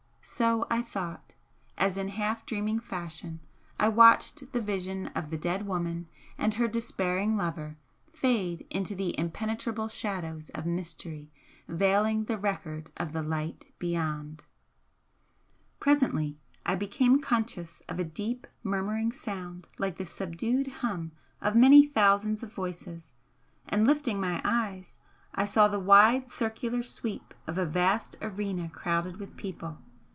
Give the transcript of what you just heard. So I thought, as in half dreaming fashion I watched the vision of the dead woman and her despairing lover fade into the impenetrable shadows of mystery veiling the record of the light beyond. Presently I became conscious of a deep murmuring sound tike the subdued hum of many thousands of voices, and lifting my eyes I saw the wide circular sweep of a vast arena crowded with people.